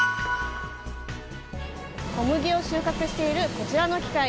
小麦を収穫しているこちらの機械。